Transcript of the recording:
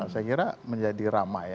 saya kira menjadi ramai